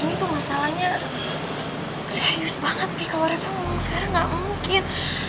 ini tuh masalahnya serius banget pip kalau reva ngomong sekarang gak mungkin